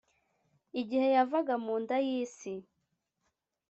igihe yavaga mu nda y’isi,